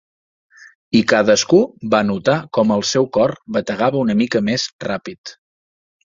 I cadascú va notar com el seu cor bategava una mica més ràpid.